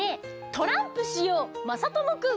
トランプしようまさともくん。